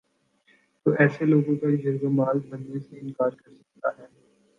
تو ایسے لوگوں کا یرغمال بننے سے انکار کر سکتا ہے۔